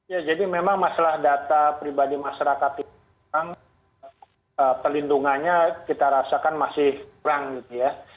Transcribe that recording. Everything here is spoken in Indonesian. ya jadi memang masalah data pribadi masyarakat itu memang pelindungannya kita rasakan masih kurang gitu ya